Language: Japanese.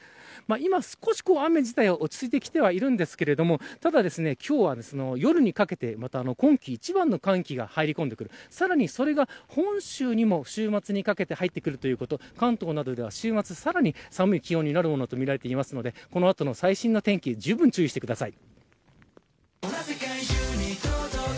今は雨は落ち着いてきていますがただ、今日は夜にかけて今季一番の寒気が入り込んでくるさらにそれが本州にも週末にかけて入ってくるということ関東などでは週末、さらに寒い気温になるとみられていますのでこの後の最新の天気をじゅうぶん注意してください。